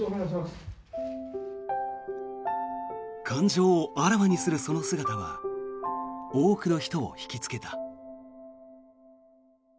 感情をあらわにするその姿は多くの人を引きつけた。